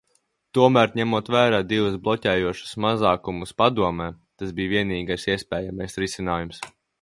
Tomēr, ņemot vērā divus bloķējošos mazākumus Padomē, tas bija vienīgais iespējamais risinājums.